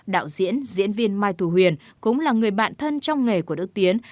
đạo diễn diễn viên mai thù huyền cũng là người bạn thân trong nghề của đức tiến